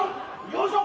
よいしょ！